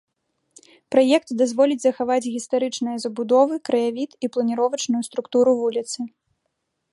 Праект дазволіць захаваць гістарычныя забудовы, краявід і планіровачную структуру вуліцы.